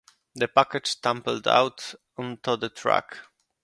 The package tumbled out onto the track.